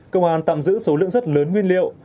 công an tạm giữ số lượng rất lớn nguyên liệu